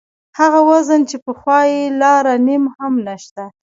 هغه وزن چې پخوا یې لاره نیم هم نشته.